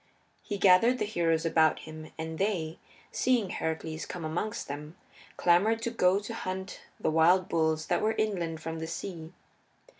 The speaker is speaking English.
He gathered the heroes about him, and they, seeing Heracles come amongst them, clamored to go to hunt the wild bulls that were inland from the sea.